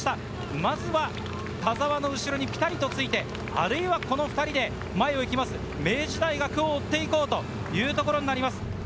まずは田澤の後ろにピタリとついて、あるいは、この２人で前をいきます、明治大学を追って行こうというところになります。